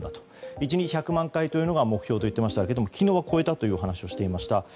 １日１００万回というのが目標と言っていましたが昨日は超えたという話でした。